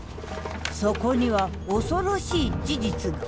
そこには恐ろしい事実が。